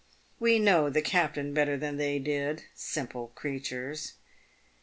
We know the captain better than they did, simple creatures.